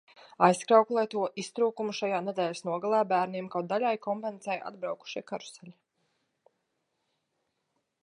Aizkrauklē to iztrūkumu šajā nedēļas nogalē bērniem kaut daļēji kompensēja atbraukušie karuseļi.